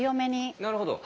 なるほど。